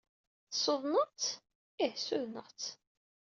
Tessudneḍ-tt? Ih, ssudneɣ-tt.